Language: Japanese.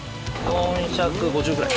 ４５０ぐらい。